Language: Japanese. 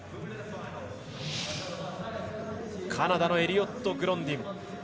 カナダのエリオット・グロンディン。